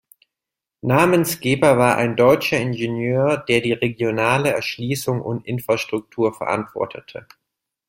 Namensgeber war ein deutscher Ingenieur, der die regionale Erschließung und Infrastruktur verantwortete.